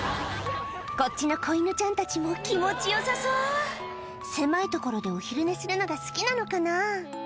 こっちの子犬ちゃんたちも気持ちよさそう狭いところでお昼寝するのが好きなのかな？